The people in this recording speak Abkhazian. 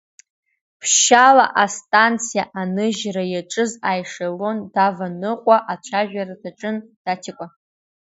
Ԥшьшьала астанциа аныжьра иаҿыз аешелон даваныҟәо, ацәажәара даҿын Даҭикәа.